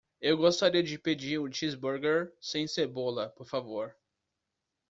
Eu gostaria de pedir o cheeseburger sem cebola? por favor.